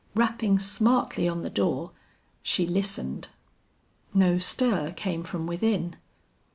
Rapping smartly on the door, she listened. No stir came from within.